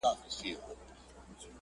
پرېږدی چي موږ هم څو شېبې ووینو؛